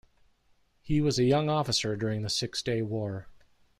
He was a young officer during the six-day war.